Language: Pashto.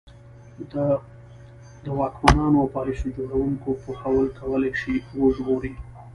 د واکمنانو او پالیسي جوړوونکو پوهول کولای شي وژغوري.